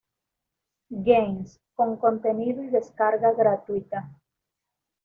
Games con contenido y descarga gratuita.